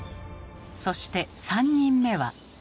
そして３人目は。